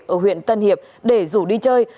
ở huyện tân hiệp để rủ đi chơi